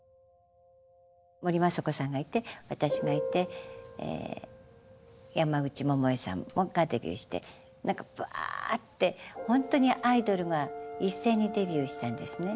森昌子さんがいて私がいて山口百恵さんがデビューして何かバーってほんとにアイドルが一斉にデビューしたんですね。